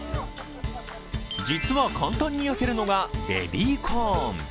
実は簡単に焼けるのがベビーコーン。